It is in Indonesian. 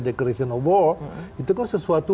declaration of war itu kan sesuatu